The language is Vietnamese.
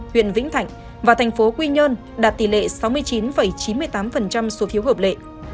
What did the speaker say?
huyện vĩnh thạnh và thành phố quy nhơn đạt tỷ lệ sáu mươi chín chín mươi tám số phiếu hợp lệ